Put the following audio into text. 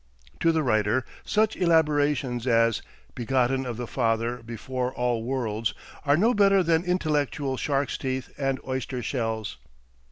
To the writer such elaborations as "begotten of the Father before all worlds" are no better than intellectual shark's teeth and oyster shells.